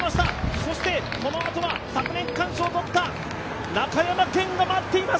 そして、このあとは昨年区間賞を取った中山顕が待っています。